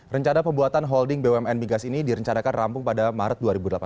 rencana pembuatan holding bumn migas ini direncanakan rampung pada maret dua ribu delapan belas